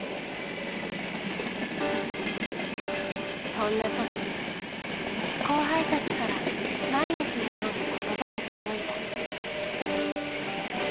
そんな時後輩たちから毎日のように言葉が届いた。